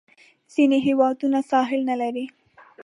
ځینې هیوادونه ساحل نه لري.